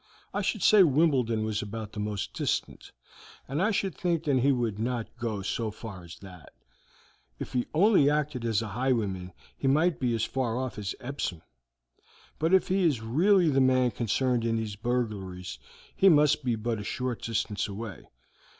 I should say Wimbledon was about the most distant, and I should think that he would not go so far as that; if he only acted as a highwayman he might be as far off as Epsom; but if he is really the man concerned in these burglaries he must be but a short distance away.